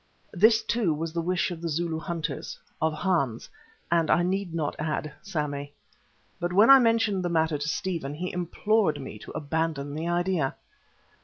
This, too, was the wish of the Zulu hunters, of Hans, and I need not add of Sammy. But when I mentioned the matter to Stephen, he implored me to abandon the idea.